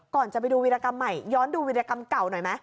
ก่อนจะไปดูวิธีกรรมใหม่ย้อนดูวิธีกรรมเก่าหน่อยมั้ย